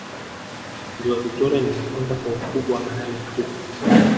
ziwa victoria ni la kwanza kwa ukubwa barani afrika